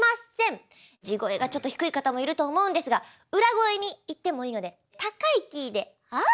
地声がちょっと低い方もいると思うんですが裏声にいってもいいので高いキーで「あ！あ！」